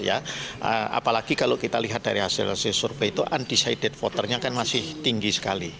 apalagi kalau kita lihat dari hasil hasil survei itu undecided voternya kan masih tinggi sekali